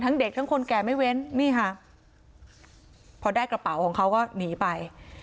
เด็กทั้งคนแก่ไม่เว้นนี่ค่ะพอได้กระเป๋าของเขาก็หนีไป